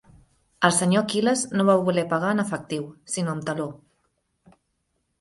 El senyor Aquil·les no va voler pagar en efectiu, sinó amb taló.